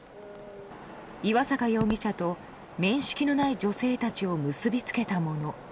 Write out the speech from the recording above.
岩坂容疑者と面識のない女性たちを結び付けたもの。